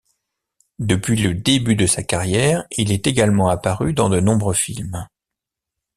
Depuis le début de sa carrière il est également apparu dans de nombreux films.